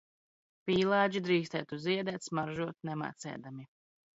Pīlādži drīkstētu ziedēt, smaržot nemācēdami...